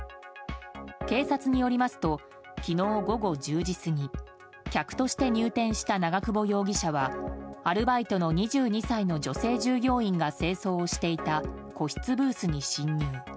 警察によりますと昨日午後１０時過ぎ客として入店した長久保容疑者はアルバイトの２２歳の女性従業員が清掃をしていた個室ブースに侵入。